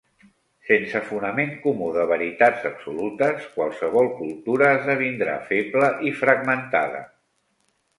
Sense fonament comú de veritats absolutes qualsevol cultura esdevindrà feble i fragmentada.